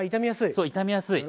そう傷みやすい。